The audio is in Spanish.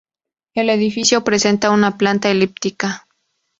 El edificio presenta una planta elíptica.